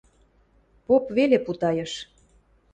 Поп веле путайыш.